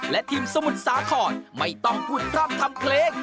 และทีมสมุดศาขอดไม่ต้องพูดร่ำทำเครค